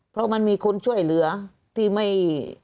เพราะมันมีคนช่วยเหลือที่ไม่